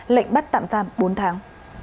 lệnh bắt tạm giam bốn tháng